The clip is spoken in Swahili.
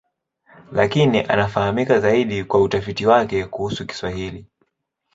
Lakini anafahamika zaidi kwa utafiti wake kuhusu Kiswahili.